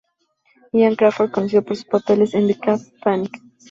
Ian Crawford, conocido por sus papeles en The Cab, Panic!